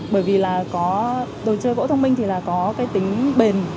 bởi vì là có đồ chơi gỗ thông minh thì là có cái tính bền